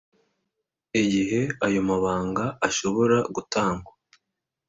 igihe ayo mabanga ashobora gutangwa